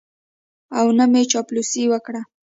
او نه مې چاپلوسي وکړه.